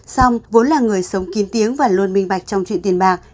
xong vốn là người sống kín tiếng và luôn minh bạch trong chuyện tiền bạc